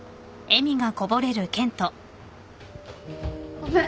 ごめん。